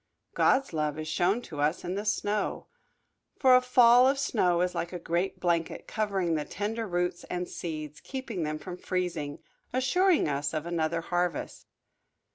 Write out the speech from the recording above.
God's love is shown to us in the snow. For a fall of snow is like a great blanket, covering the tender roots and seeds, keeping them from freezing, assuring us of another harvest.